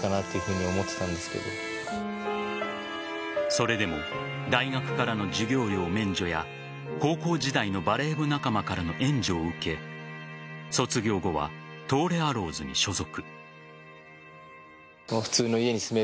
それでも大学からの授業料免除や高校時代のバレー部仲間からの援助を受け卒業後は東レアローズに所属。